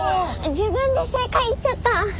自分で正解言っちゃった。